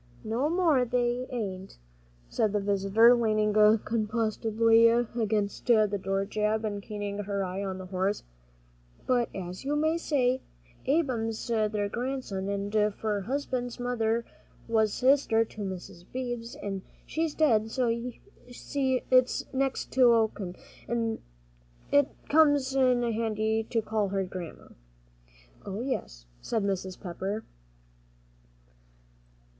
"No more'n they hain't," said the visitor, leaning composedly against the door jamb and keeping her eye on the horse; "but as you may say, Ab'm's their grandson, for my husband's mother was sister to Mis' Beebe, an' she's dead, so you see it's next o' kin, an' it comes in handy to call her Grandma." "Oh, yes," said Mrs. Pepper.